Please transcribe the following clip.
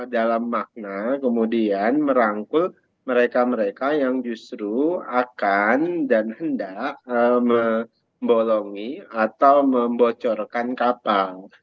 dalam makna kemudian merangkul mereka mereka yang justru akan dan hendak membolongi atau membocorkan kapal